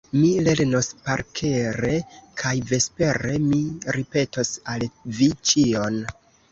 Mi lernos parkere kaj vespere mi ripetos al vi ĉion.